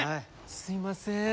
すいません。